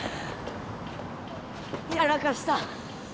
やらかした